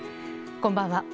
こんばんは。